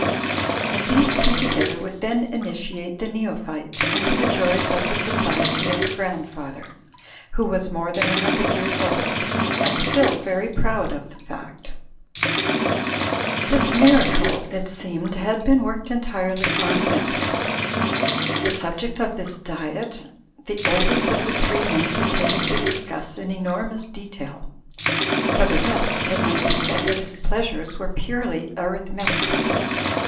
*' And these two together would then initiate the neophyte into the joys of the society of a grandfather, who was more than a hundred years old, and still very proud of the fact. This miracle, it seemed, had been worked entirely on milk. The subject of this diet the oldest of the three men continued to discuss in enormous detail. For the rest, it might be said that his pleasures were purely arithmetical.